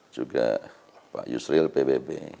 juga pak yusril pbb